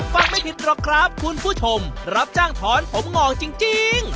ฟังไม่ผิดล่ะครับคุณผู้ชมรับจ้างถอนผมเหงาจริงจริง